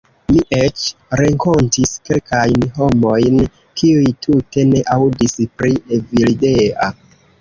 Mi eĉ renkontis kelkajn homojn kiuj tute ne aŭdis pri Evildea.